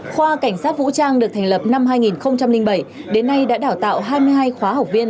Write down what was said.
khoa cảnh sát vũ trang được thành lập năm hai nghìn bảy đến nay đã đào tạo hai mươi hai khóa học viên